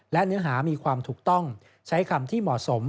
และเนื้อหามีความถูกต้องใช้คำที่เหมาะสม